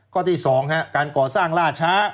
ก็ที่สองครับการก่อสร้างล่าช้า